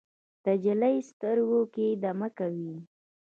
د نجلۍ سترګو کې دمه کوي